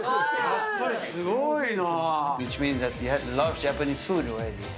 やっぱりすごいな。